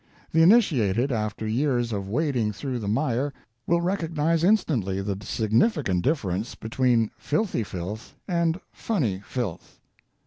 The initiated, after years of wading through the mire, will recognize instantly the significant difference between filthy filth and funny "filth."